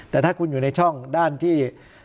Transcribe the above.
แต่ถ้าคุณอยู่ในช่องด้านที่